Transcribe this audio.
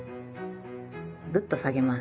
ぐっと下げます。